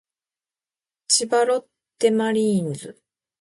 千葉ロッテマリーンズ